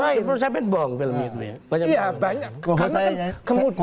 menurut saya penuh kebohongan film itu ya